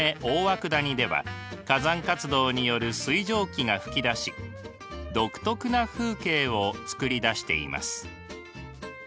大涌谷では火山活動による水蒸気が噴き出し独特な風景をつくりだしています。